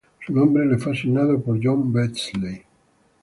Su nombre le fue asignado por John Beazley.